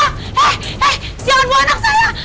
eh eh jangan buang anak saya